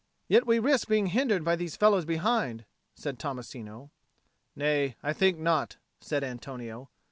"Yet we risk being hindered by these fellows behind," said Tommasino. "Nay, I think not," said Antonio.